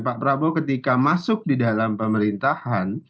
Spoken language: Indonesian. pak prabowo ketika masuk di dalam pemerintahan